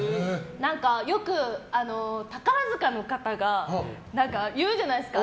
よく宝塚の方が言うじゃないですか。